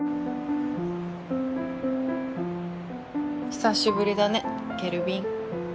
久しぶりだねケルヴィン。